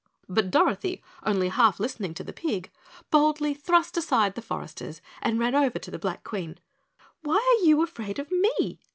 But Dorothy, only half listening to the pig, boldly thrust aside the foresters and ran over to the Black Queen. "Why are you afraid of ME?"